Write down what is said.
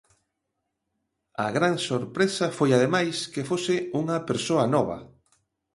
A gran sorpresa foi ademais que fose unha persoa nova.